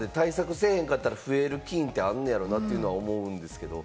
せえへんかったら増える菌ってあんねやろなというのは思うんですけれども。